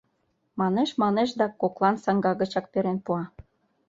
Манеш-манеш да... коклан саҥга гычак перен пуа.